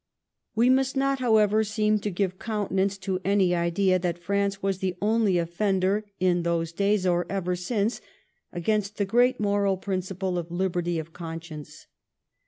We must not, however, seem to give countenance to any idea that France was the only offender in those days, or ever since, against the great moral principle of liberty of conscience.